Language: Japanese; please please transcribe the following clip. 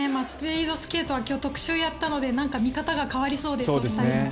スピードスケートは今日、特集をやったので見方が変わりそうです。